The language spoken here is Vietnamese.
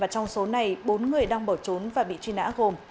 trong số này bốn người đang bỏ trốn và bị truy nã gồm